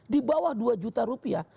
di bawah dua juta rupiah